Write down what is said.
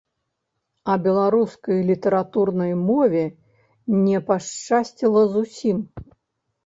А беларускай літаратурнай мове не пашчасціла зусім.